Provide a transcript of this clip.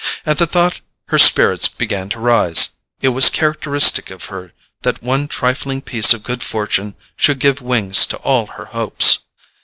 At the thought her spirits began to rise: it was characteristic of her that one trifling piece of good fortune should give wings to all her hopes.